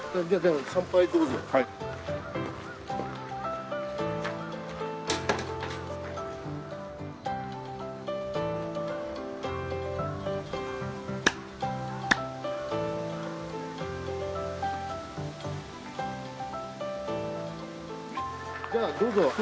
じゃあどうぞ。